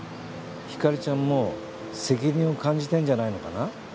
ひかりちゃんも責任を感じてるんじゃないのかな？